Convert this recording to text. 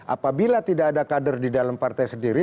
apabila tidak ada kader di dalam partai sendiri